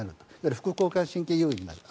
副交感神経優位になります。